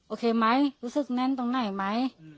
โอเคมั้ยรู้สึกแน่นตรงใหนมั้ย